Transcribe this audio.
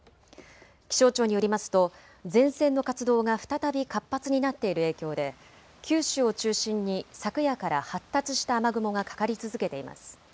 気象庁によりますと前線の活動が再び活発になっている影響で九州を中心に昨夜から発達した雨雲がかかり続けています。